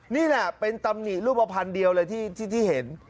นี่แหละเป็นตำหนิรูปภัณฑ์เดียวเลยที่เห็น